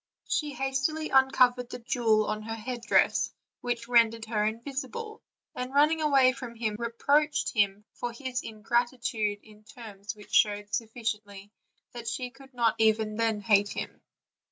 She hastily uncovered the jewel of her headdress which rendered her invisible, and running away from him, reproached him for his in gratitude in terms which showed sufficiently that she could not even then hate him.